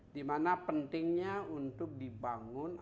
dimana pentingnya untuk dibangun